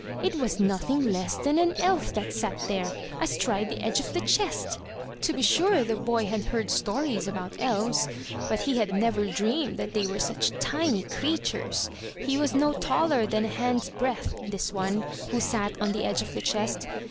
It was nothing less than an elf that sat there — ^astride the edge of the chest! To be sure, the boy had heard stories about elves, but he had never dreamed that they were such tiny creatures. He was no taller than a hand's breadth — this one, who sat on the edge of the chest.